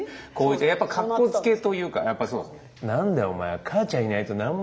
やっぱかっこつけというかやっぱりそうです。